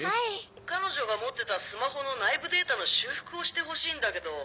彼女が持ってたスマホの内部データの修復をしてほしいんだけど。